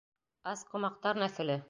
— Ас ҡомаҡтар нәҫеле...